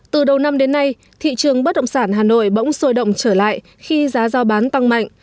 từ đầu năm đến nay thị trường bất động sản hà nội bỗng sôi động trở lại khi giá giao bán tăng mạnh